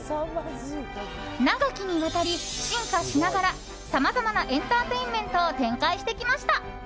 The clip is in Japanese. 長きにわたり、進化しながらさまざまなエンターテインメントを展開してきました。